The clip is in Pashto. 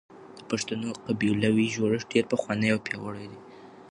د پښتنو قبيلوي جوړښت ډېر پخوانی او پياوړی دی.